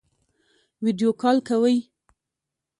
ویډیو کال کوئ؟